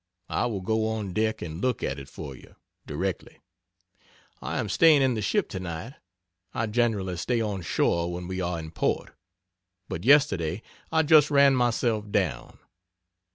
I will go on deck and look at it for you, directly. I am staying in the ship, tonight. I generally stay on shore when we are in port. But yesterday I just ran myself down.